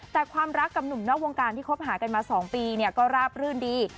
แต่ความรักกับหนุ่มนอกวงการที่คบหากันมา๒ปีเนี่ยก็ราบรื่นดี